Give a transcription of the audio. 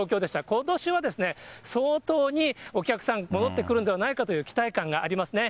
ことしは、相当にお客さん戻ってくるんではないかという期待感がありますね。